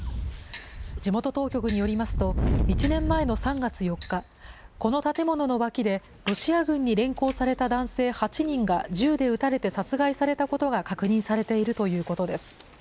地元当局によりますと、１年前の３月４日、この建物の脇で、ロシア軍に連行された男性８人が、銃で撃たれて殺害されたことが確認されているということです。